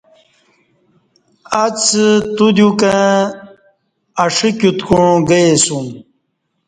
ا څہ تودیوکں ا ݜہ کیوت کوݩع گے سیوم